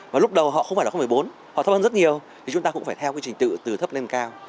và lúc đầu họ không phải là bốn họ thấp hơn rất nhiều thì chúng ta cũng phải theo cái trình tự từ thấp lên cao